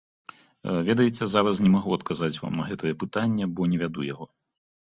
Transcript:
Ведаеце, зараз не магу адказаць вам на гэтае пытанне, бо не вяду яго.